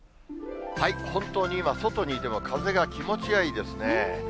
本当に今、外にいても、風が気持ちがいいですね。